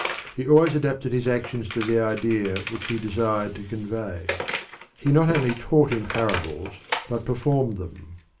He always adapted his actions to the idea which he desired to convey. He not only taught in parables but performed them.